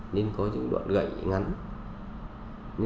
nên có những đoạn gậy ngắn